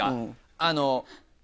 あの。